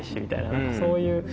何かそういう。